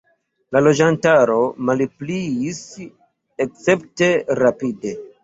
La loĝantaro malpliis escepte rapide.